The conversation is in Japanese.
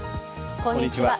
こんにちは。